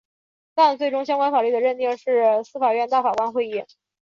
但最终相关法律的认定是司法院大法官会议。